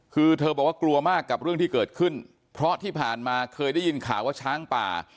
คือเธอบอกว่ากลัวมากกับเรื่องที่เกิดขึ้นเพราะที่ผ่านมาเคยได้ยินข่าวว่าช้างป่า